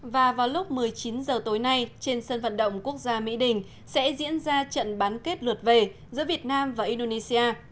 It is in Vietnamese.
và vào lúc một mươi chín h tối nay trên sân vận động quốc gia mỹ đình sẽ diễn ra trận bán kết lượt về giữa việt nam và indonesia